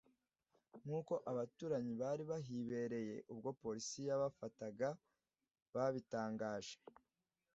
nk’uko abaturanyi bari bahibereye ubwo Polisi yabafataga babitangaje